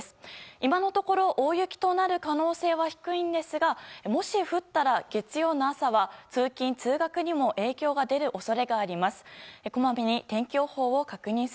今のところ大雪となる可能性は低いんですがもし降ったら、月曜日の朝は通勤・通学にも影響が出る恐れがあります。